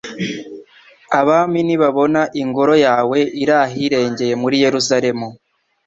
Abami nibabona Ingoro yawe iri ahirengeye muri Yeruzalemu